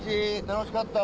楽しかった！